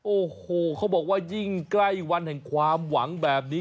โอ้โหเขาบอกว่ายิ่งใกล้วันแห่งความหวังแบบนี้